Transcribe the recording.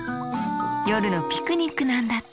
よるのピクニックなんだって！